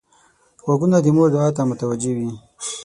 غوږونه د مور دعا ته متوجه وي